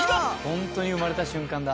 ホントに生まれた瞬間だ。